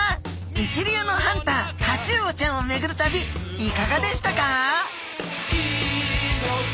一流のハンタータチウオちゃんをめぐる旅いかがでしたか？